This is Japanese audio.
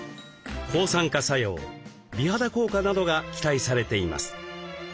抗酸化作用美肌効果などが期待されています。